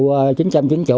còn hai triệu